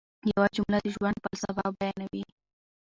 یوه جمله د ژوند فلسفه بیانوي.